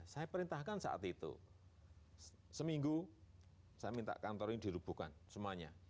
saya perintahkan saat itu seminggu saya minta kantor ini dirubuhkan semuanya